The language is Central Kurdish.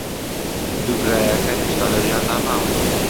دوو برایەکە هێشتا لە ژیاندا ماون.